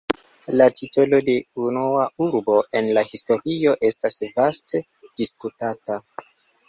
La titolo de "unua urbo en la historio" estas vaste diskutata.